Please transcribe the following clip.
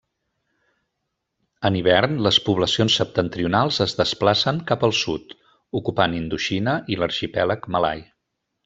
En hivern les poblacions septentrionals es desplacen cap al sud, ocupant Indoxina i l'Arxipèlag Malai.